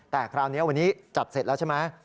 แต่คราวนี้วันนี้จัดเสร็จแล้วใช่ไหม